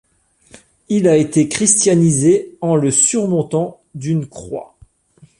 Il a été christianisé en le surmontant d'une croix.